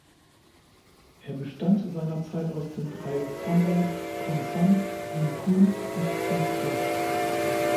Er bestand seinerzeit aus den drei "Tambon" Khon San, Nun Khun und Thung Phra.